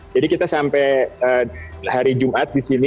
jadi kita sampai hari jumat di sini